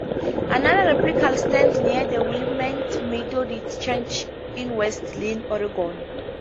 Another replica stands near the Willamette Methodist Church in West Linn, Oregon.